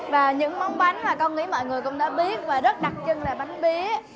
và những món bánh mà con nghĩ mọi người cũng đã biết và rất đặc trưng là bánh bí